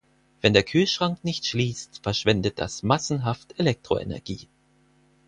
Wenn der Kühlschrank nicht schließt, verschwendet das massenhaft Elektroenergie.